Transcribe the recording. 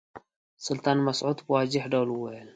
سلطان مسعود په واضح ډول وویل.